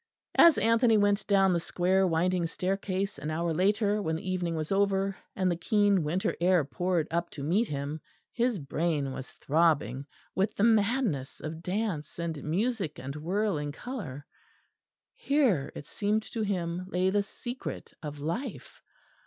As Anthony went down the square winding staircase, an hour later when the evening was over, and the keen winter air poured up to meet him, his brain was throbbing with the madness of dance and music and whirling colour. Here, it seemed to him, lay the secret of life.